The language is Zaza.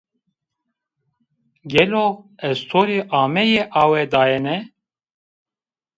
Gelo estorî ameyê awe dayene